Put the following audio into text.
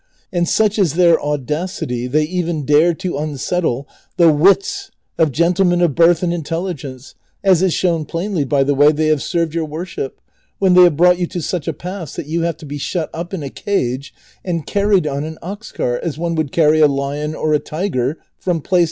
And such is their audacity, they even dare to unsettle the wits of gentlemen of birth and intelligence, as is shown plainly by the way they have served your worship, when they have brought j^ou to such a pass that you have to be shut up in a cage and carried on an ox cart as one would carry a lion or a tiger from place